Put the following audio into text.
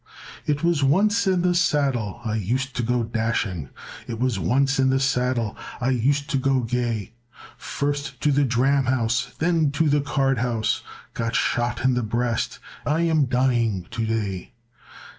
"It was once in the saddle I used to go dashing, It was once in the saddle I used to go gay; First to the dram house, then to the card house, Got shot in the breast, I am dying to day.